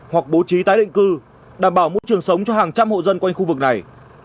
hoặc bố trí tái định cư đảm bảo môi trường sống cho hàng trăm hộ dân quanh khu vực này